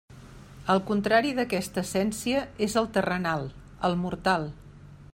El contrari d'aquesta essència és el terrenal, el mortal.